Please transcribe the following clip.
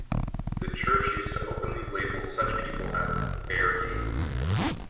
The Church used to openly label such people as Fair Game.